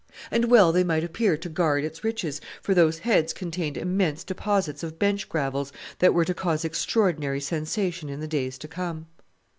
And well they might appear to guard its riches, for those heads contained immense deposits of bench gravels that were to cause extraordinary sensation in the days to come.